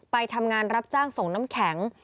ไปทำงานรับจ้างส่งน้ำแข็ง